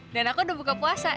dan aku udah buka puasa